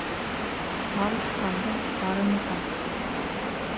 Ҡарышҡандың ҡарыны ас.